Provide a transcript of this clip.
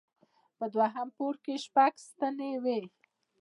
په دوهم پوړ کې شپږ ستنې وې.